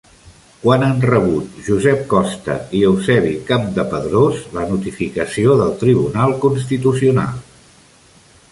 Quan han rebut Josep Costa i Eusebi Campdepadrós la notificació del Tribunal Constitucional?